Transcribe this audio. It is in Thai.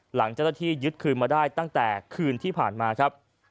หลังเจ้าหน้าที่ยึดคืนมาได้ตั้งแต่คืนที่ผ่านมาครับ